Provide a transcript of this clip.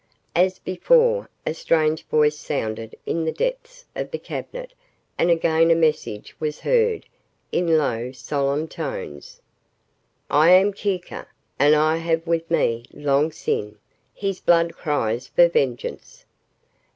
As before, a strange voice sounded in the depths of the cabinet and again a message was heard, in low, solemn tones. "I am Keka, and I have with me Long Sin. His blood cries for vengeance."